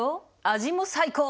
味も最高。